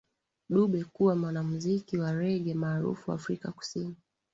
Dube kuwa mwanamziki wa rege maarufu Afrika Kusini